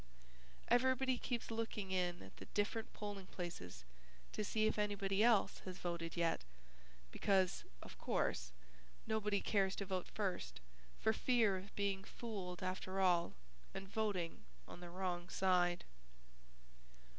Everybody keeps looking in at the different polling places to see if anybody else has voted yet, because, of course, nobody cares to vote first for fear of being fooled after all and voting on the wrong side.